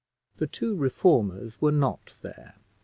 The two reformers were not there.